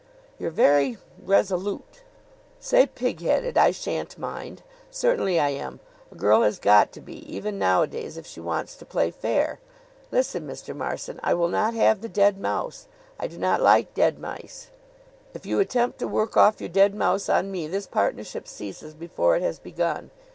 "You're very resolute." "Say pig headed; I shan't mind. Certainly I am! A girl has got to be, even nowadays, if she wants to play fair. Listen, Mr. Marson; I will not have the dead mouse. I do not like dead mice. If you attempt to work off your dead mouse on me this partnership ceases before it has begun.